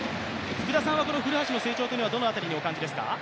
福田さんの古橋の成長というのはどの辺りにお感じですか？